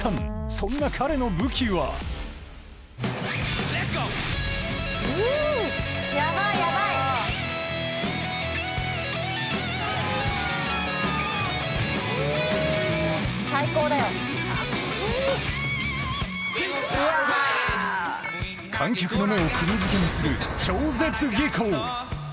そんな彼の武器は観客の目をくぎづけにする超絶技巧！